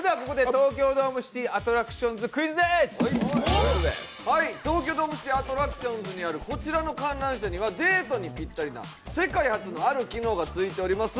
東京ドームシティアトラクションズにあるこちらの観覧車にはデートにぴったりな世界初のある機能がついております。